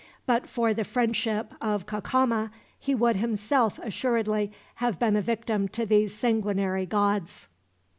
But for the friendship of Cacama he would himself, assuredly, have been a victim to these sanguinary gods.